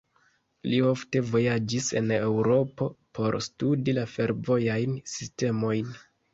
Li ofte vojaĝis en Eŭropo por studi la fervojajn sistemojn.